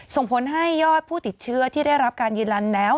ส่งผลให้ยอดผู้ติดเชื้อที่ได้รับการยืนยันแล้ว